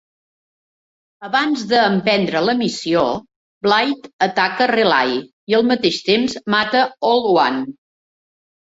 Abans de emprendre la missió, Blight ataca Relay i al mateix temps mata Old One.